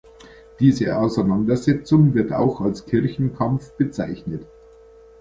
Diese Auseinandersetzung wird auch als Kirchenkampf bezeichnet.